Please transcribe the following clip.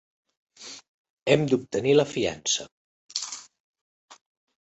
Hem d'obtenir la fiança.